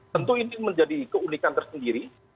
tentu ini menjadi keunikan tersendiri